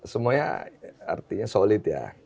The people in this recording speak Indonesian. semuanya artinya solid ya